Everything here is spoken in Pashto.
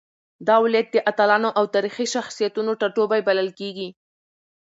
دا ولايت د اتلانو او تاريخي شخصيتونو ټاټوبی بلل کېږي.